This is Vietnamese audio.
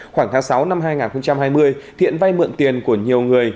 khoảng tháng sáu năm hai nghìn hai mươi thiện vay mượn tiền của nhiều người